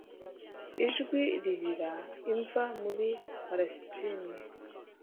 ijwi ririra, imva muri palesitine